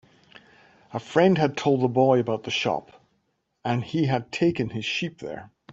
A friend had told the boy about the shop, and he had taken his sheep there.